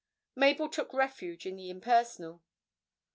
Mabel took refuge in the impersonal.